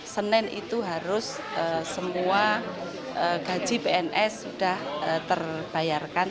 senin itu harus semua gaji pns sudah terbayarkan